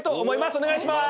お願いしまーす！